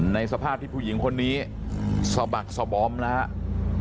ในสภาพที่ผู้หญิงคนนี้สบักสบอมแล้ว